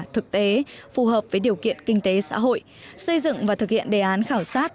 thực tế phù hợp với điều kiện kinh tế xã hội xây dựng và thực hiện đề án khảo sát